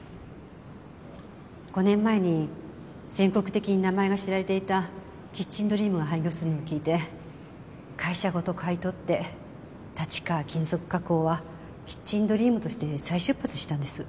５年前に全国的に名前が知られていたキッチンドリームが廃業するのを聞いて会社ごと買い取って立川金属加工はキッチンドリームとして再出発したんです。